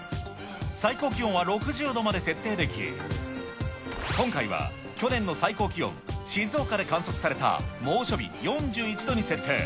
最高気温は６０度まで設定でき、今回は去年の最高気温、静岡で観測された猛暑日、４１度に設定。